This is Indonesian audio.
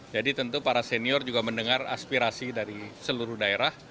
jadi tentu para senior juga mendengar aspirasi dari seluruh daerah